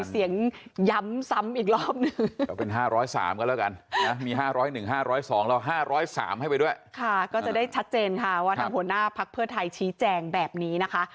เอิ้นว่าครับทำหัวหน้าพรักเพื่อไทยชี้แจงแบบนี้นะคะ